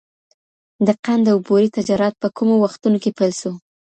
د قند او بورې تجارت په کومو وختونو کي پیل سو؟